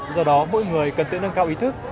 do đó mỗi người cần tự nâng cao ý thức